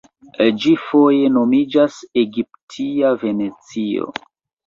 Ĝi foje nomiĝas egiptia Venecio.